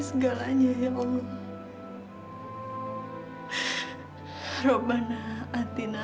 segalanya ya allah